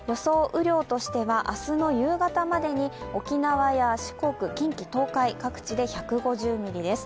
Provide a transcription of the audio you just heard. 雨量としては、明日の夕方までに沖縄や四国、近畿、東海、各地で１５０ミリです。